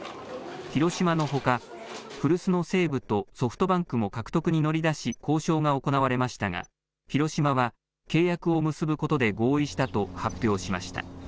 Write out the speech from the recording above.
広島のほか古巣の西武とソフトバンクも獲得に乗り出し交渉が行われましたが広島は契約を結ぶことで合意したと発表しました。